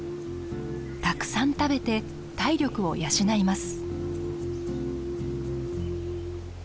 たくさん食べて体力を養います。